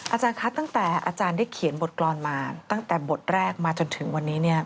อาจารย์คะตั้งแต่อาจารย์ได้เขียนบทกรรมมาตั้งแต่บทแรกมาจนถึงวันนี้เนี่ย